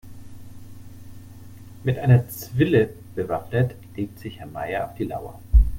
Mit einer Zwille bewaffnet legt sich Herr Meier auf die Lauer.